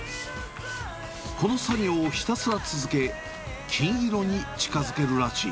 この作業をひたすら続け、金色に近づけるらしい。